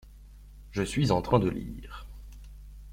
Je suis en train de lire.